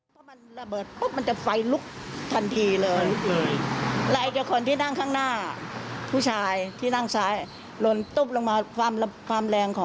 ตอนนี้เราเห็นเขานอนอยู่ใช่ไหมเขาได้ตะเกียจกลางไปออกมาไหมครับแม่